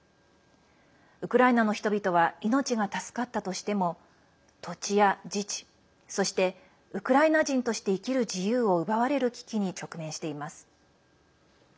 ウクライナの人々は命が助かったとしても土地や自治、そしてウクライナ人として生きる自由を奪われる危機に直面しています。